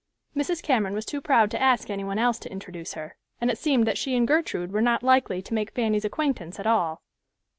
Mrs. Cameron was too proud to ask any one else to introduce her, and it seemed that she and Gertrude were not likely to make Fanny's acquaintance at all.